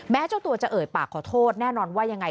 เจ้าตัวจะเอ่ยปากขอโทษแน่นอนว่ายังไง